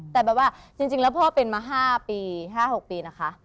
แต่แบบว่าจริงแล้วพ่อเป็นมา๕ปี๕๖ปีนะคะ